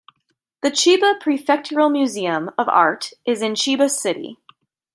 The Chiba Prefectural Museum of Art is in Chiba City.